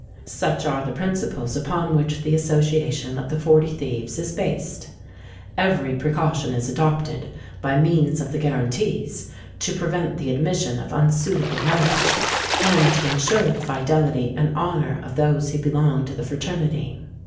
Such are the principles upon which the association of the Forty Thieves is based. Every precaution is adopted, by means of the guarantees, to prevent the admission of unsuitable members, and to ensure the fidelity and honour of those who belong to the fraternity.